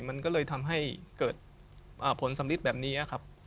มันก็เลยทำให้เกิดผลสำลิดแบบนี้ครับ